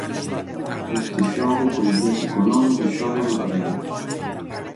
Este xogo coñecíase co nome de "Xogo de Ucraína".